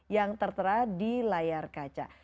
yang tertera di layar kaca